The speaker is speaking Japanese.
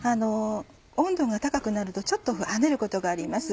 温度が高くなるとちょっと跳ねることがあります。